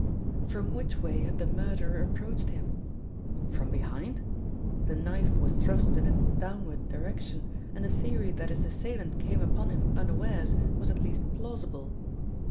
From which way had the murderer approached him? From behind? The knife was thrust in a downward direction, and the theory that his assailant came upon him unawares was at least plausible.